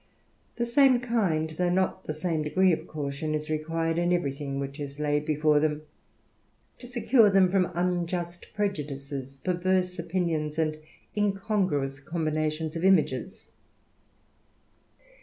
The same kind, though not the same decree of caution, is required in every thing which is laid before them, to secure them from unjust prejudices, perverse opinions, and incongruous combinations of images.